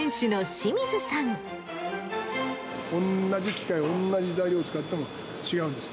同じ機械、同じ材料を使っても違うんです。